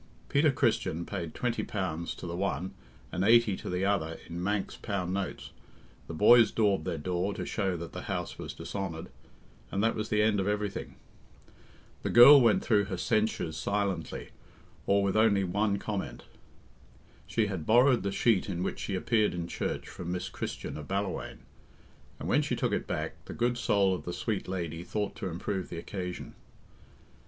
Peter Christian paid twenty pounds to the one and eighty to the other in Manx pound notes, the boys daubed their door to show that the house was dishonoured, and that was the end of everything. The girl went through her "censures" silently, or with only one comment. She had borrowed the sheet in which she appeared in church from Miss Christian of Ballawhaine, and when she took it back, the good soul of the sweet lady thought to improve the occasion.